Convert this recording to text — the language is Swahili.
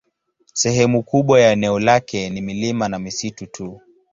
Sehemu kubwa ya eneo lake ni milima na misitu tu.